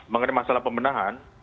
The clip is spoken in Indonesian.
mengenai masalah pemenahan